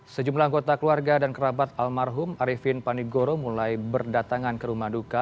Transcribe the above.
sejumlah anggota keluarga dan kerabat almarhum arifin panigoro mulai berdatangan ke rumah duka